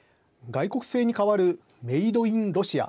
外国製に代わるメイド・イン・ロシア。